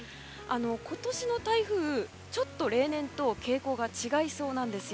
今年の台風、ちょっと例年と傾向が違いそうなんですよ。